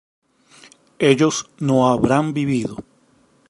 ellos no habrán vivido